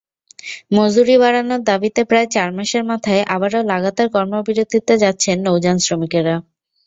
মজুরি বাড়ানোর দাবিতে প্রায় চার মাসের মাথায় আবারও লাগাতার কর্মবিরতিতে যাচ্ছেন নৌযানশ্রমিকেরা।